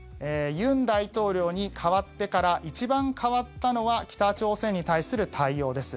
尹大統領に代わってから一番変わったのは北朝鮮に対する対応です。